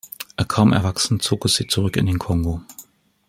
Kaum erwachsen, zog es sie zurück in den Kongo.